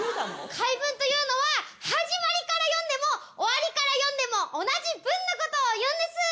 回文というのは始まりから読んでも終わりから読んでも同じ文のことをいうんです。